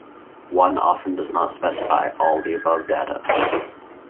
One often does not specify all the above data.